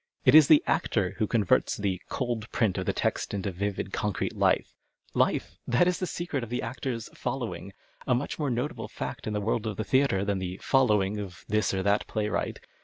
It is the actor who converts the " cold print " of the text into vivid, concrete life. Life ! that is the secret of the actor's " following," a much more notable fact in the world of the theatre than the " following " of this or that playwright.